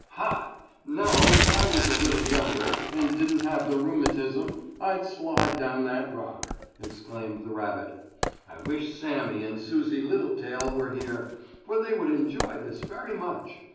"Ha! Now if I was a little younger, and didn't have the rheumatism, I'd slide down that rock!" exclaimed the rabbit. "I wish Sammie and Susie Littletail were here, for they would enjoy this very much.